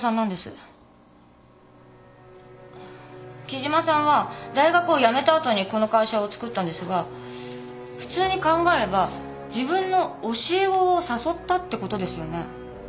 木島さんは大学を辞めた後にこの会社をつくったんですが普通に考えれば自分の教え子を誘ったってことですよね？